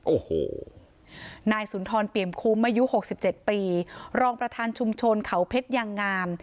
โอ้โหนายสุนทรเปรียมคุมมายุหกสิบเจ็ดปีรองประธานชุมชนเขาเพชรยางงาม